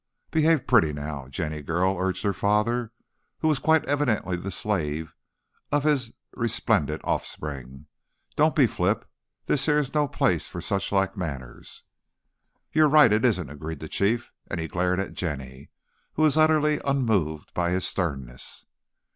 "Behave pretty, now, Jenny girl," urged her father, who was quite evidently the slave of his resplendent offspring; "don't be flip; this here's no place for such like manners." "You're right, it isn't," agreed the Chief, and he glared at Jenny, who was utterly unmoved by his sternness.